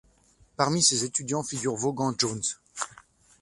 Parmi ses étudiants figure Vaughan Jones.